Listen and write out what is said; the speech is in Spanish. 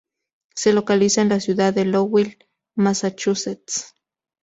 Se localiza en la ciudad de Lowell, Massachusetts.